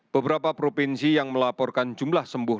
beberapa provinsi yang melaporkan jumlah sembuh